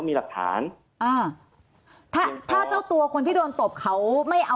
น้องคนที่โดนตบจริงอ่า